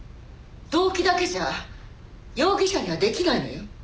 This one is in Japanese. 動機だけじゃ容疑者には出来ないのよ。